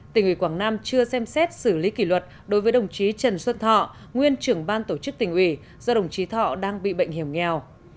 tỉnh ủy quảng nam chưa xem xét xử lý kỷ luật đối với đồng chí trần xuân thọ nguyên trưởng ban tổ chức tỉnh ủy do đồng chí thọ đang bị bệnh hiểm nghèo